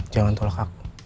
jangan tolak aku